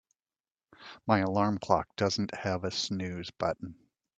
My alarm clock doesn't have a snooze button.